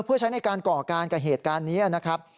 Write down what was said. เพื่อใช้ในการก่อการกับเหตุการณ์นี้นะครับ